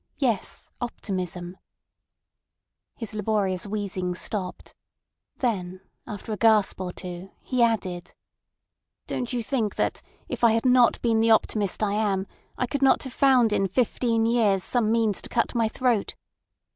Yes, optimism— His laborious wheezing stopped, then, after a gasp or two, he added: "Don't you think that, if I had not been the optimist I am, I could not have found in fifteen years some means to cut my throat?